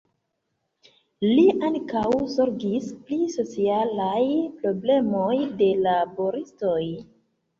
Li ankaŭ zorgis pri socialaj problemoj de laboristoj.